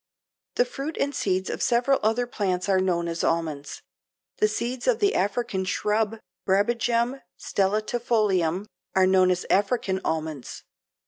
The fruit and seeds of several other plants are known as almonds. The seeds of the African shrub Brabejum stellatifolium are known as African almonds.